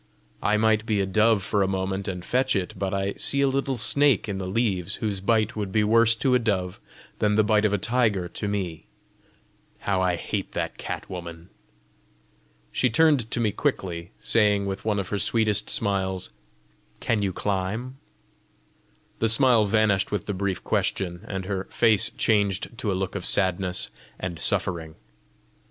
I might be a dove for a moment and fetch it, but I see a little snake in the leaves whose bite would be worse to a dove than the bite of a tiger to me! How I hate that cat woman!" She turned to me quickly, saying with one of her sweetest smiles, "Can you climb?" The smile vanished with the brief question, and her face changed to a look of sadness and suffering.